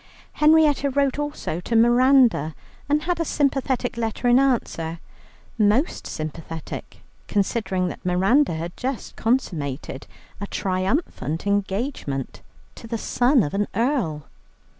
Henrietta wrote also to Miranda, and had a sympathetic letter in answer, most sympathetic, considering that Miranda had just consummated a triumphant engagement to the son of an earl.